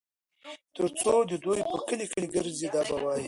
تر څو دوى په کلي کلي ګرځي دا به وايي